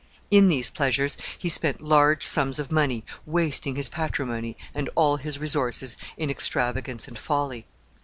In these pleasures he spent large sums of money, wasting his patrimony and all his resources in extravagance and folly.